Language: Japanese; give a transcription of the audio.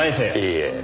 いいえ。